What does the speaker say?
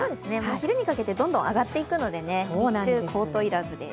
昼にかけてどんどん上がっていくので日中、コート要らずです。